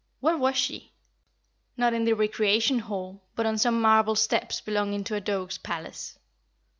Where was she? Not in the Recreation Hall, but on some marble steps belonging to a Doge's palace.